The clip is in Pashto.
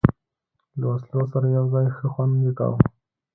له وسلو سره یو ځای، ښه خوند یې کاوه.